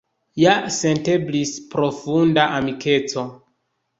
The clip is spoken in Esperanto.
Ja senteblis profunda amikeco.